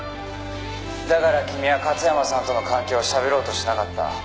「だから君は勝山さんとの関係をしゃべろうとしなかった」